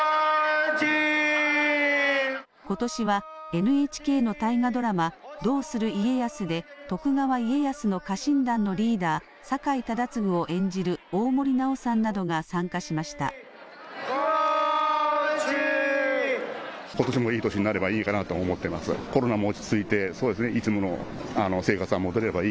ことしは、ＮＨＫの大河ドラマ、どうする家康で、徳川家康の家臣団のリーダー、酒井忠次を演じる大森南朋さんなど福は内！